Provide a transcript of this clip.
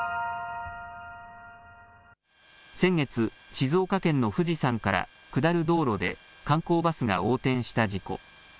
先月、静岡県の富士山から下る道路で観光バスが横転した事故。